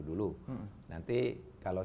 dulu nanti kalau